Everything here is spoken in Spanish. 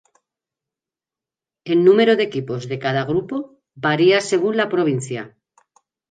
El número de equipos de cada grupo varía según la provincia.